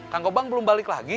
kang opang belum balik lagi